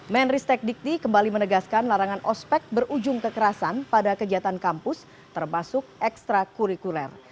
menristek dikti kembali menegaskan larangan ospek berujung kekerasan pada kegiatan kampus termasuk ekstra kurikuler